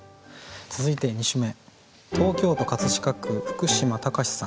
続いて２首目。